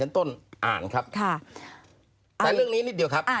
ต้นอ่านครับค่ะแต่เรื่องนี้นิดเดียวครับ